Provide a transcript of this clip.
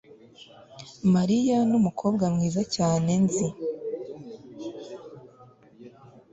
Mariya numukobwa mwiza cyane nzi